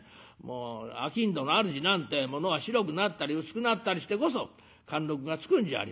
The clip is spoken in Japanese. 商人のあるじなんてえものは白くなったり薄くなったりしてこそ貫禄がつくんじゃありませんか。